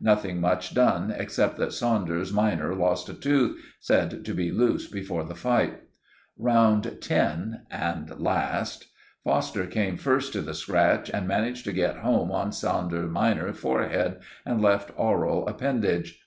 Nothing much done, except that Saunders minor lost a tooth, said to be loose before the fight. "Round 10 (and last).—Foster came first to the scratch, and managed to get home on Saunders minor's forehead and left aural appendage.